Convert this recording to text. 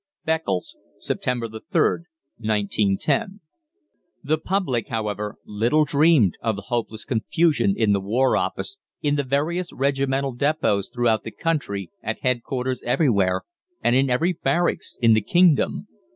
= Beccles, September the Third, 1910. [Illustration: THE ENEMY'S FAMOUS PROCLAMATION.] The public, however, little dreamed of the hopeless confusion in the War Office, in the various regimental depôts throughout the country, at headquarters everywhere, and in every barracks in the kingdom.